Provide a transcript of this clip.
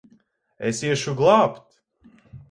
Es iešu glābt!